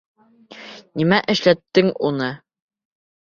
Нимә эшләттең уны?